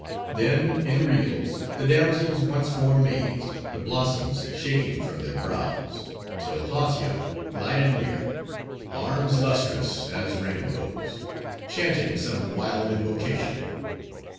Then, in reels, the damsels once more mazed, the blossoms shaking from their brows; till Hautia, glided near; arms lustrous as rainbows: chanting some wild invocation.